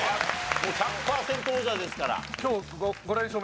もう１００パーセント王者ですから。